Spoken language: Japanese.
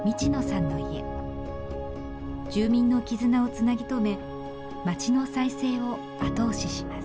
住民の絆をつなぎ止め町の再生を後押しします。